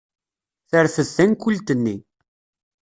Terfed tankult-nni.